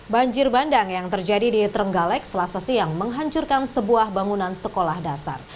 banjir bandang yang terjadi di trenggalek selasa siang menghancurkan sebuah bangunan sekolah dasar